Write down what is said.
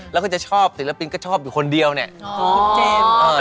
แล้วก็จะชอบศิลปินก็ชอบอยู่คนเดียวเนี่ย